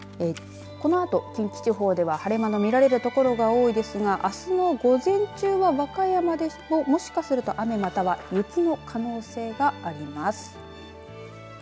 このあと近畿地方では晴れ間の見られる所が多いですがあすの午前中は、和歌山ですともしかすると雨または雪の可能性があります。